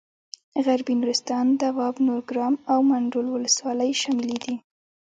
غربي نورستان دواب نورګرام او منډول ولسوالۍ شاملې دي.